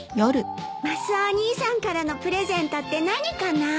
マスオお兄さんからのプレゼントって何かな。